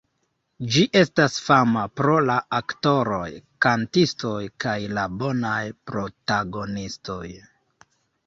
Ĝi estas fama pro la aktoroj-kantistoj kaj la bonaj protagonistoj.